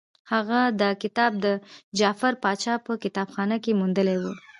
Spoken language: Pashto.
هغه دا کتاب د جعفر پاشا په کتابخانه کې موندلی وو.